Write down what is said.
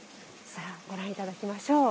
さあご覧頂きましょう。